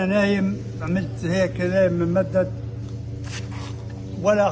saya melakukan ini dan saya tidur